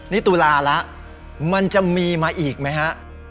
นี่ตุลาแล้วมันจะมีมาอีกไหมฮะ